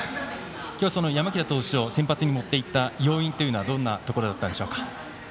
今日は、その山北投手を先発にもっていった要因はどんなところだったんでしょうか。